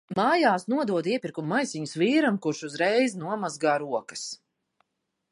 Mājās nododu iepirkumu maisiņus vīram, kurš uzreiz nomazgā rokas.